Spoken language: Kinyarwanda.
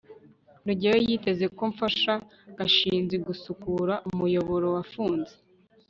rugeyo yiteze ko mfasha gashinzi gusukura umuyoboro wafunze